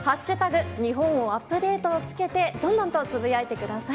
日本をアップデートをつけて、どんどんとつぶやいてください。